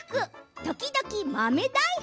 時々、豆大福！